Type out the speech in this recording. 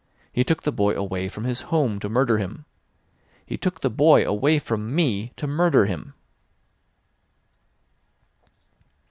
He took the boy away from his home to murder him. He took the boy away from me to murder him!"